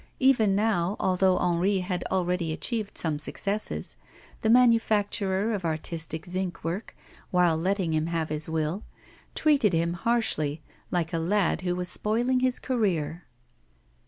Even now, although Henri had already achieved some successes, the manufacturer of artistic zinc work, while letting him have his will, treated him harshly, like a lad who was spoiling his career.